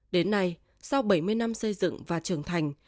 đến nay sau bảy mươi năm xây dựng và trưởng thành